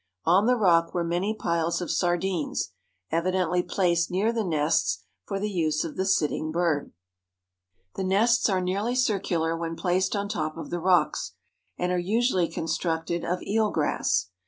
On the rock were many piles of sardines, evidently placed near the nests for the use of the sitting bird. The nests are nearly circular when placed on top of the rocks, and are usually constructed of eel grass.